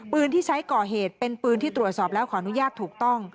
ที่ใช้ก่อเหตุเป็นปืนที่ตรวจสอบแล้วขออนุญาตถูกต้อง